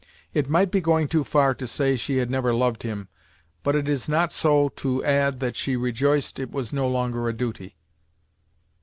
It might be going too far to say she had never loved him, but it is not so to add that she rejoiced it was no longer a duty.